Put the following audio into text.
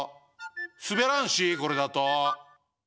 すべらんしこれだと。